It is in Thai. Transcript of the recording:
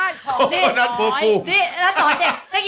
เจ็ดขก